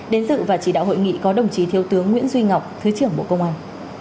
đến dự và chỉ đạo hội nghị có đồng chí thiếu tướng nguyễn duy ngọc thứ trưởng bộ công an